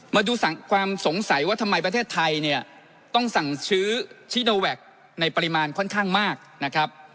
มาดูความสงสัยว่าทำไมประเทศไทยเนี่ยต้องสั่งซื้อชิโนแวคในปริมาณค่อนข้างมากนะครับ